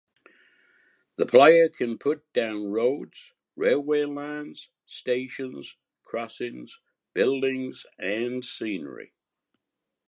The player can put down roads, railway lines, stations, crossings, buildings and scenery.